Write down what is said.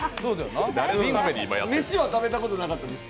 飯は食べたことなかったんです